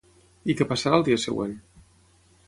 I què passarà el dia següent?